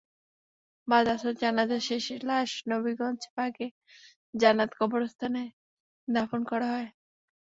বাদ আসর জানাজা শেষে লাশ নবীগঞ্জ বাগে জান্নাত কবরস্থানে দাফন করা হয়।